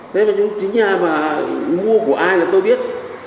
thế là chúng chính gia mà mua của ai là tôi biết